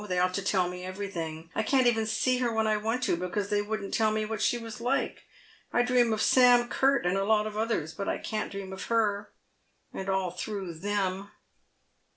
They ought to tell me everything. I can't even see her when I want to, because they wouldn't tell me what she was like. I dream of Sam Curt and a lot of others, but I can't dream of her, and all through them."